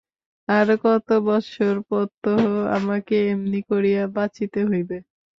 আরো কত বৎসর প্রত্যহ আমাকে এমনি করিয়া বাঁচিতে হইবে!